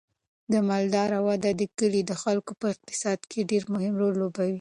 د مالدارۍ وده د کلي د خلکو په اقتصاد کې ډیر مهم رول لوبوي.